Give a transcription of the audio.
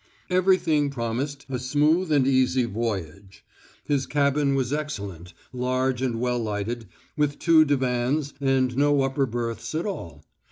Everything promised a smooth and easy voyage. His cabin was excellent, large and well lighted, with two divans and no upper berths at all.